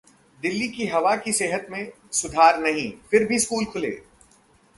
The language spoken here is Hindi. दिल्ली की हवा की सेहत में सुधार नहीं, फिर भी स्कूल खुले